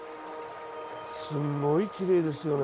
すごいきれいですよね。